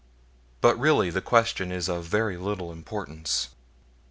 But really the question is of very little importance.